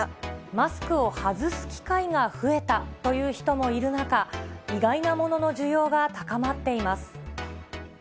マスクを外す機会が増えたという人もいる中、意外なものの需要が高まっています。